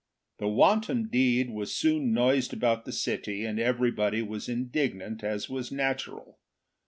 The wanton deed was soon noised about the city, and everybody was indignant, as was natural.